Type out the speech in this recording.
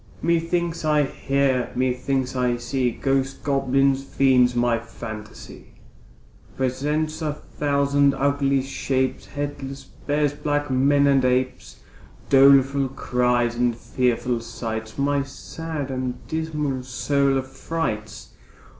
Methinks I hear, methinks I see Ghosts, goblins, fiends; my phantasy Presents a thousand ugly shapes, Headless bears, black men, and apes, Doleful outcries, and fearful sights, My sad and dismal soul affrights.